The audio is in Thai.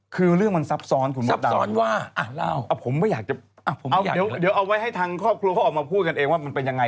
เค้าบอกว่าเค้าชอบไปฟ้อนรามไง